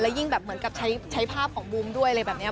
ยิ่งแบบเหมือนกับใช้ภาพของบูมด้วยอะไรแบบนี้